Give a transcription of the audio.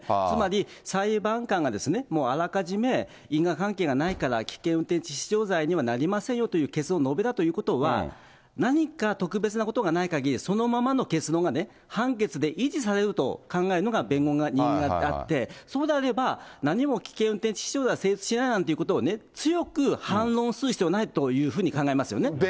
つまり裁判官がもうあらかじめ因果関係がないから、危険運転致死傷罪にはなりませんよという結論を述べたということは、何か特別なことがないかぎり、そのままの結論が判決で維持されると考えるのが弁護人であって、そうであれば、何も危険運転致死傷罪は成立しないなんていうことをね、強く反論する必要がないというふうに考えますよね。